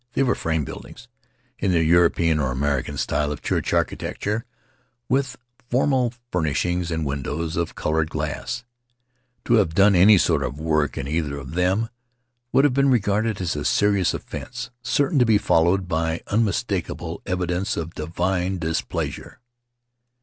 They were frame buildings, in the The Starry Threshold European or American style of church architecture, with formal furnishings and windows of colored glass. To have done any sort of work in either of them would have been regarded as a serious offense, certain to be followed by unmistakable evidence of divine displeasure.